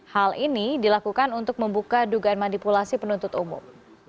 hal ini dilakukan untuk membuka dugaan manipulasi penuntut umum